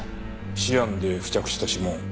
シアンで付着した指紋。